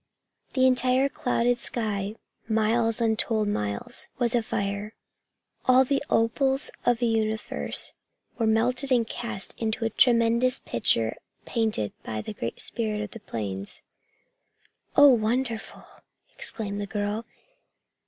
The entire clouded sky, miles on untold miles, was afire. All the opals of the universe were melted and cast into a tremendous picture painted by the Great Spirit of the Plains. "Oh, wonderful!" exclaimed the girl.